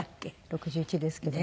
６１ですけども。